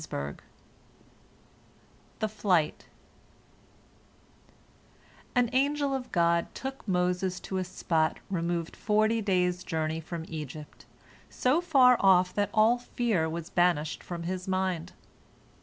THE FLIGHT An angel of God took Moses to a spot removed forty days' journey from Egypt, so far off that all fear was banished from his mind.